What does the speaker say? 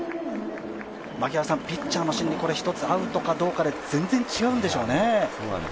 ピッチャーの心理、１つ、アウトかどうかで全然違うんですよね。